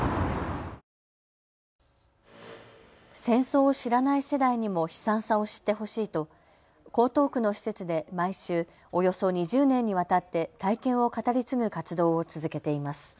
戦争を知らない世代にも悲惨さを知ってほしいと江東区の施設で毎週およそ２０年にわたって体験を語り継ぐ活動を続けています。